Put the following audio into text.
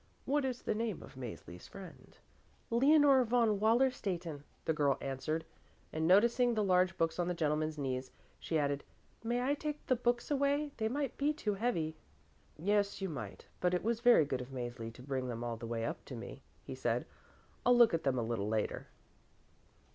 "What is the name of Mäzli's friend?" "Leonore von Wallerstätten," the girl answered, and noticing the large books on the gentleman's knees, she added, "May I take the books away? They might be too heavy." "Yes, you might, but it was very good of Mäzli to bring them all the way up to me," he said. "I'll look at them a little later."